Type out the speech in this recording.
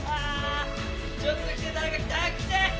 ちょっと来て誰か来て早く来て！